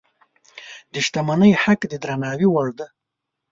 د شتمنۍ حق د درناوي وړ دی.